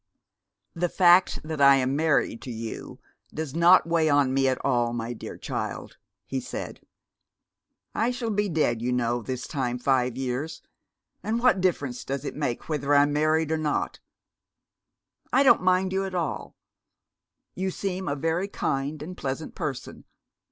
"The fact that I am married to you does not weigh on me at all, my dear child," he said. "I shall be dead, you know, this time five years, and what difference does it make whether I'm married or not? I don't mind you at all. You seem a very kind and pleasant person.